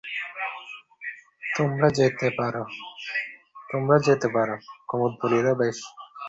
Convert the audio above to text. কুমুদ বলিল, বেশ।